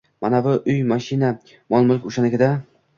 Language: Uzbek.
Manavi uy, mashina, mol-mulk o‘shaniki-da!